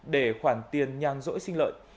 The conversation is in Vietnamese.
để khoản tiền nhan dỗi sinh lợi